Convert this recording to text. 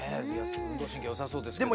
運動神経良さそうですけれども。